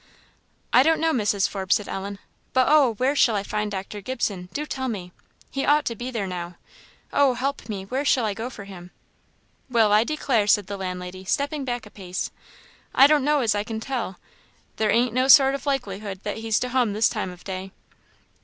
"I don't know, Mrs. Forbes," said Ellen, "but oh, where shall I find Dr. Gibson? Do tell me! he ought to be there now; oh, help me! where shall I go for him?" "Well, I declare," said the landlady, stepping back a pace, "I don't know as I can tell there ain't no sort o' likelihood that he's to hum this time o' day.